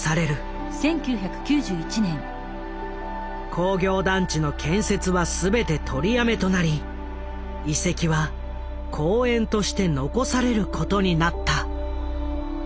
工業団地の建設は全て取りやめとなり遺跡は公園として残されることになった。